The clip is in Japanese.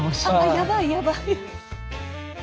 やばいやばい。